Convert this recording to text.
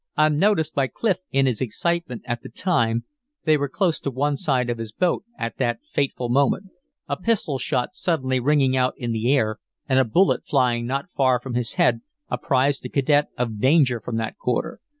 Unnoticed by Clif in his excitement at the time, they were close to one side of his boat at that fateful moment. A pistol shot suddenly ringing out in the air and a bullet flying not far from his head apprised the cadet of danger from that quarter.